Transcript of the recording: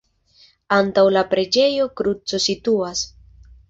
Antaŭ la preĝejo kruco situas.